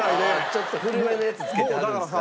ちょっと古めのやつ付けてはるんですかね。